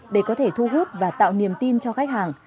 để có thể thu hút và tạo niềm tin cho khách hàng